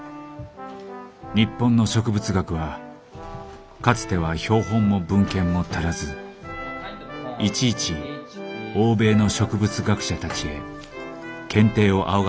日本の植物学はかつては標本も文献も足らずいちいち欧米の植物学者たちへ検定を仰がねばならなかった。